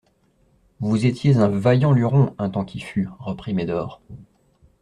Vous étiez un vaillant luron, un temps qui fut, reprit Médor.